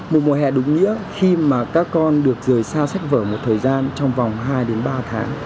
một mùa hè đúng nghĩa khi mà các con được rời xa sách vở một thời gian trong vòng hai đến ba tháng